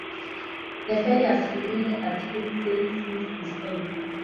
The ferry has remained at Duke Saint since this time.